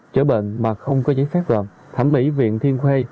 chữa bệnh mà không có giấy phép gồm thẩm mỹ viện thiên khuê